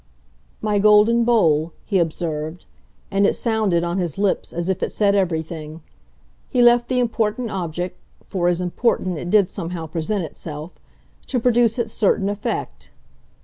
"My Golden Bowl," he observed and it sounded, on his lips, as if it said everything. He left the important object for as "important" it did somehow present itself to produce its certain effect.